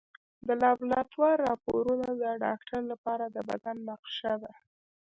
د لابراتوار راپورونه د ډاکټر لپاره د بدن نقشه ده.